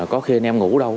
có khi anh em ngủ đâu